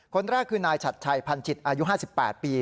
คนแรกคือนายฉัดชัยพันจิตอายุ๕๘ปี